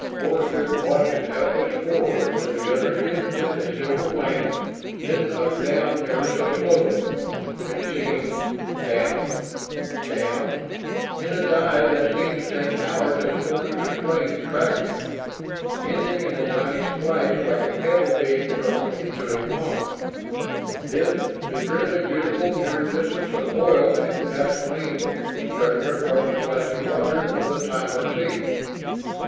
Forster had watched in helpless horror as the other ship dipped a silver wing, then nosed down ever so slowly, it seemed ... down ... down ... in a dive that seemed to take hours as Forster's plane tracked it, ending in a tiny splash like a pebble being thrown into a pond; then the grimly beautiful iridescence of oil and gasoline spreading across the glassy waters of the Timor Sea.